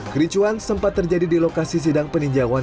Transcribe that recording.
kericuan sempat terjadi di lokasi sidang peninjauan